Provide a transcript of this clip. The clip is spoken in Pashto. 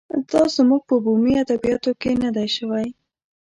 دا زموږ په بومي ادبیاتو کې نه دی شوی.